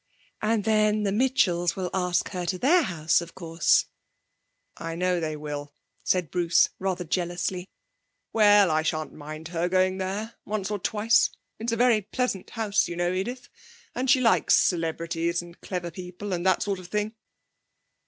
'And then the Mitchells will ask her to their house, of course?' 'I know they will,' said Bruce, rather jealously. 'Well, I shan't mind her going there once or twice it's a very pleasant house, you know, Edith. And she likes celebrities, and clever people, and that sort of thing.'